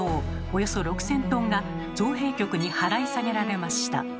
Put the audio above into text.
およそ６，０００トンが造幣局に払い下げられました。